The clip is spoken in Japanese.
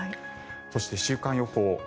そして週間予報。